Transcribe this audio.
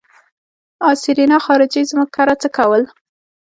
آ سېرېنا خارجۍ زموږ کره څه کول.